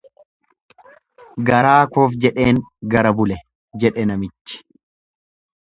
Garaa koof jedheen gara bule jedhe namichi.